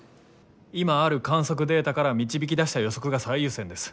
今ある観測データから導き出した予測が最優先です。